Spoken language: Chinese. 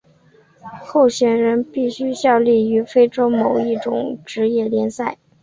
候选人必须效力于欧洲某一职业联赛。